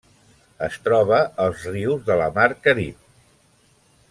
Es troba als rius de la Mar Carib.